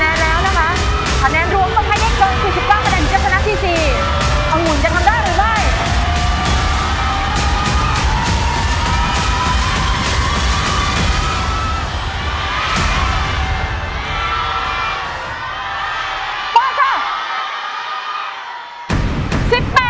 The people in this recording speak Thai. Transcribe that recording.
ก็จะเอาคำติชมนะคะคำแนะนำของกรรมการทุกคนนะคะไปปรับใช้กับเพลงที่หนูจะเล่าในทุกเพลงเลยค่ะ